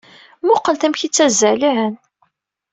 Mmuqqlet amek ay ttazzalen!